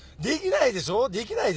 できないでしょ？